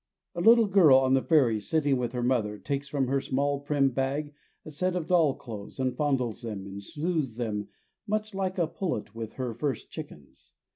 A little girl on the ferry sitting with her mother takes from her small prim bag a set of doll clothes, and fondles them and smoothes them much like a pullet with her first chickens.